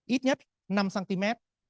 ít nhất năm cm